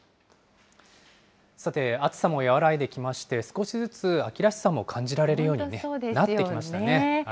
さて、暑さも和らいできまして、少しずつ秋らしさも感じられ本当そうですよね。